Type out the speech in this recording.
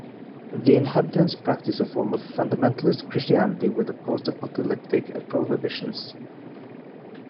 The inhabitants practise a form of fundamentalist Christianity with post-apocalyptic prohibitions.